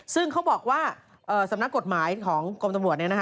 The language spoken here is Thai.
ซึ่งเขาบอกว่าสำนักกฎหมายของกรมตำรวจ